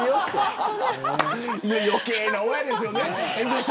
余計な親ですよね。